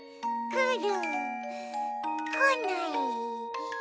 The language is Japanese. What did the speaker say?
くる。